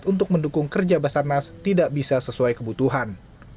untuk mendukung kerja basarnas tidak bisa sesuai kebutuhan